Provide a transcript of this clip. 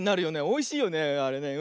おいしいよねあれね。